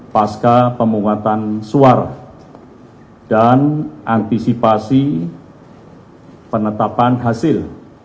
pasca pemungutan suara dan antisipasi penetapan hasil